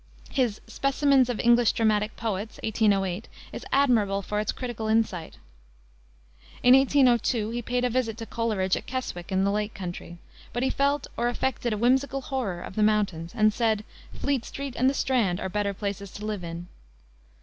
His Specimens of English Dramatic Poets, 1808, is admirable for its critical insight. In 1802 he paid a visit to Coleridge at Keswick, in the Lake Country; but he felt or affected a whimsical horror of the mountains, and said, "Fleet Street and the Strand are better places to live in."